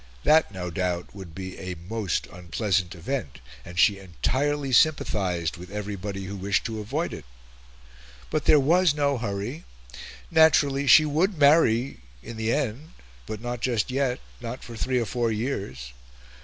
That, no doubt, would be a most unpleasant event; and she entirely sympathised with everybody who wished to avoid it. But there was no hurry; naturally, she would marry in the end but not just yet not for three or four years.